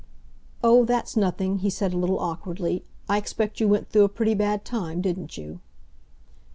"Oh, that's nothing," he said a little awkwardly. "I expect you went though a pretty bad time, didn't you?"